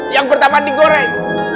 yang pertama digoreng